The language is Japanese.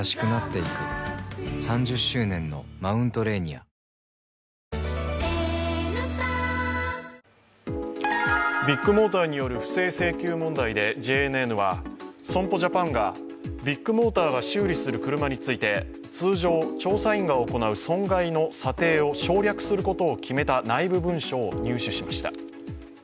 アサヒのサプリ「ディアナチュラ」ビッグモーターによる不正請求問題でＪＮＮは損保ジャパンがビッグモーターが修理する車について通常、調査員が行う損害の査定を省略することを決めた内部文書を入手しました。